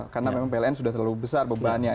karena memang pln sudah terlalu besar beban nya